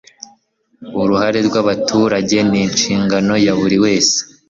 Uruhare rw abaturage n inshingano ya buri wese